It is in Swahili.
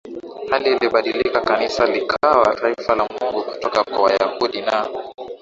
hali ilibadilika Kanisa likawa taifa la Mungu kutoka kwa Wayahudi na